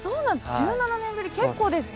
１７年ぶり結構ですね。